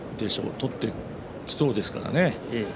取ってきそうですからね。